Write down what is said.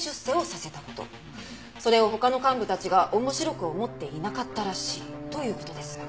それを他の幹部たちが面白く思っていなかったらしいという事です。